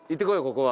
ここは。